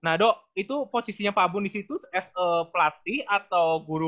nah dok itu posisinya pak bun disitu as a pelatih atau guru